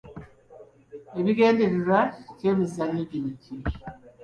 Ebigendererwa by’emizannyo gino ki?